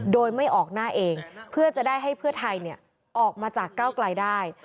โดยไม่ออกหน้าเองเพื่อจะได้ให้เพื่อไทยออกมาจากเก้าไกลได้